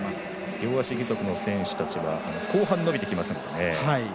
両足義足の選手たちは後半伸びてきますよね。